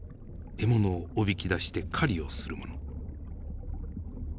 獲物をおびき出して狩りをするもの。